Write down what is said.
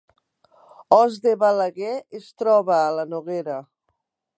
Os de Balaguer es troba a la Noguera